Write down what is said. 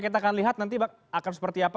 kita akan lihat nanti akan seperti apa